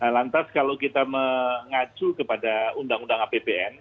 lantas kalau kita mengacu kepada undang undang apbn